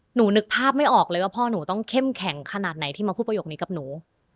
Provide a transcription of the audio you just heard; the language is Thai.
หนูนึกภาพไม่ออกเลยว่าพ่อหนูต้องเข้มแข็งขนาดไหนที่มาพูดประโยคนี้กับหนู